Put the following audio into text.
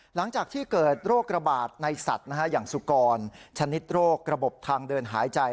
หลังจากที่เกิดโรคระบาดในสัตว์อย่างสุกรชนิดโรคระบบทางเดินหายใจ